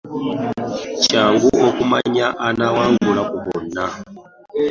Kyangu okumanya anaawangula ku bonna.